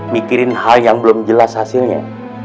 mikirin hal yang belum jelas hasilnya